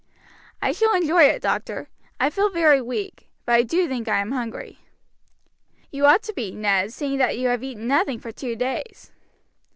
"I shall enjoy it, doctor. I feel very weak; but I do think I am hungry." "You ought to be, Ned, seeing that you have eaten nothing for two days."